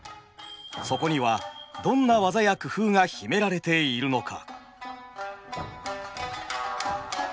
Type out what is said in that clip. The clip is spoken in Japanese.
そこにはどんな技や工夫が秘められているのか。